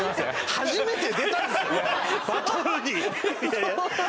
初めて出たんですよ